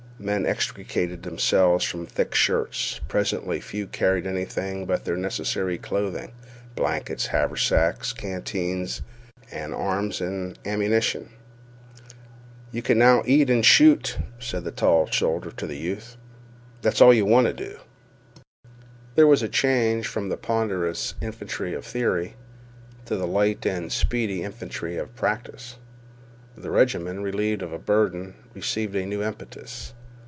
Men extricated themselves from thick shirts. Presently few carried anything but their necessary clothing, blankets, haversacks, canteens, and arms and ammunition. "You can now eat and shoot," said the tall soldier to the youth. "That's all you want to do." There was sudden change from the ponderous infantry of theory to the light and speedy infantry of practice. The regiment, relieved of a burden, received a new impetus.